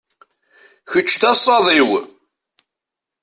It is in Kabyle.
Kečč d asaḍ-iw.